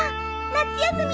夏休み